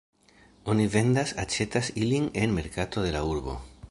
Oni vendas-aĉetas ilin en merkato de la urbo.